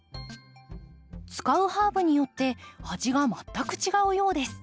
使うハーブによって味が全く違うようです。